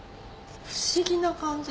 不思議な感じ